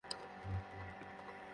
এই ছাড় ওকে!